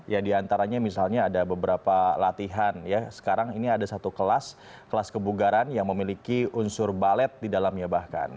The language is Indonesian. ya diantaranya misalnya ada beberapa latihan ya sekarang ini ada satu kelas kelas kebugaran yang memiliki unsur balet di dalamnya bahkan